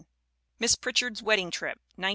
Miss Pritchard's Wedding Trip, 1901.